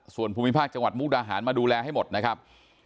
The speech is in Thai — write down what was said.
ส่วนภูมิภาคจังหวัดมุกดาหารมาดูแลให้หมดนะครับ